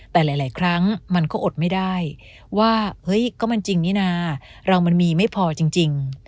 แต่หลายครั้งมันก็อดไม่ได้ว่าเฮ้ยก็มันจริงนี่นะเรามันมีไม่พอจริง